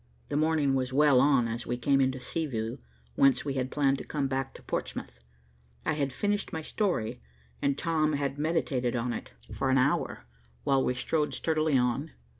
The morning was well on as we came into Seaview, whence we had planned to come back to Portsmouth. I had finished my story, and Tom had meditated on it for an hour, while we strode sturdily on.